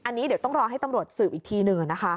อันนี้เดี๋ยวต้องรอให้ตำรวจสืบอีกทีหนึ่งนะคะ